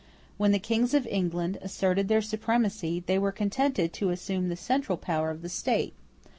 When the Kings of England asserted their supremacy, they were contented to assume the central power of the State.